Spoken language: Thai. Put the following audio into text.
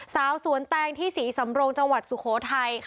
สาวสวนแตงที่ศรีสำรงจังหวัดสุโขทัย